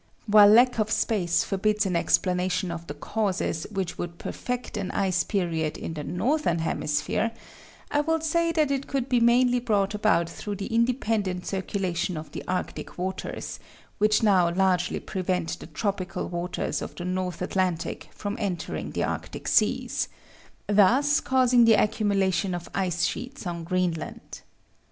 While lack of space forbids an explanation of the causes which would perfect an ice period in the northern hemisphere, I will say that it could be mainly brought about through the independent circulation of the arctic waters, which now largely prevent the tropical waters of the North Atlantic from entering the arctic seas, thus causing the accumulation of ice sheets on Greenland.